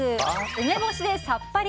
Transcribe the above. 梅干しでさっぱり